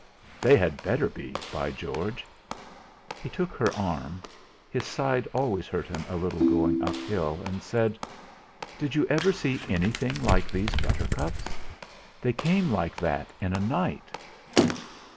"They had better be, by George!" He took her arm his side always hurt him a little going uphill and said: "Did you ever see anything like those buttercups? They came like that in a night."